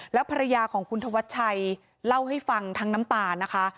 แล้วภรรยาของคุณธวัชชัยเล่าให้ฟังทั้งน้ำตานะคะ